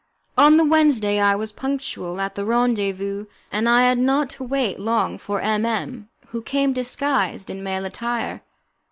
On the Wednesday I was punctual at the rendezvous, and I had not to wait long for M M , who came disguised in male attire.